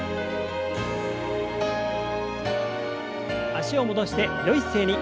脚を戻してよい姿勢に。